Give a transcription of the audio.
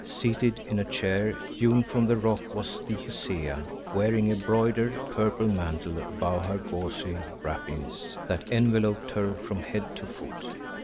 Seated in a chair hewn from the rock was the Hesea, wearing a broidered, purple mantle above her gauzy wrappings that enveloped her from head to foot.